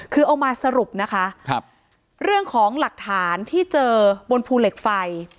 คือเอามาสรุปนะคะเรื่องของหลักฐานที่เจอบนภูเหล็กไฟ